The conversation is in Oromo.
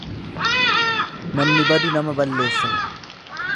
Namni badu nama balleessa.